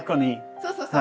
そうそうそう。